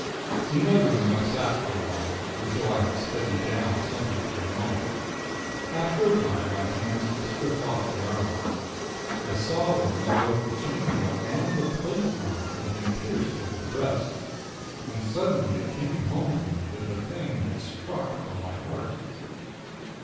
"In my room, I sat for a while, until I had steadied down something to the normal. After a time I commenced to strip off the armor. I saw then that both the chain mail and the plate armor had been pierced over the breast. And, suddenly, it came home to me that the Thing had struck for my heart.